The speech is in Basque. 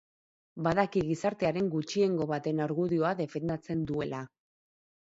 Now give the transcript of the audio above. Badaki gizartearen gutxiengo baten argudioa defendatzen duela.